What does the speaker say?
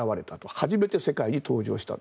初めて世界に登場したと。